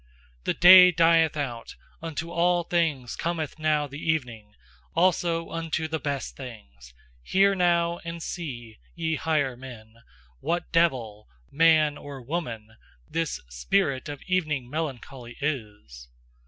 The day dieth out, unto all things cometh now the evening, also unto the best things; hear now, and see, ye higher men, what devil man or woman this spirit of evening melancholy is!"